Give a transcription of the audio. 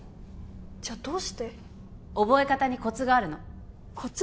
じゃどうして覚え方にコツがあるのコツ？